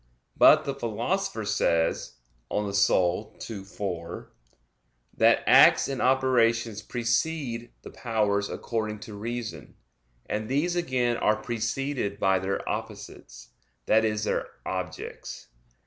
But the Philosopher says (De Anima ii, 4) that "acts and operations precede the powers according to reason; and these again are preceded by their opposites," that is their objects.